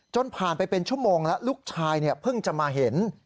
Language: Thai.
ผ่านไปเป็นชั่วโมงแล้วลูกชายเพิ่งจะมาเห็น